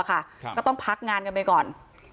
ก็ต้องพักงานกันไปก่อน